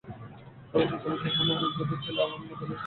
এমনকি কমিশন কোনো আইন করতে চাইলে আইন মন্ত্রণালয়ের অনুমতি নিতে হয়।